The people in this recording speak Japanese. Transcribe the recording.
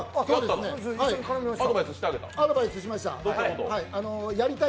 アドバイスしました。